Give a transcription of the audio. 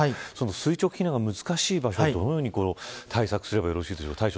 垂直避難が難しい場所はどのように対策すればいいですか。